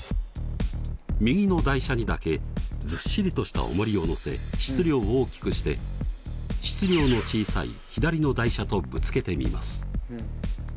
右の台車にだけずっしりとしたおもりを載せ質量を大きくして質量の小さい左の台車とぶつけてみます。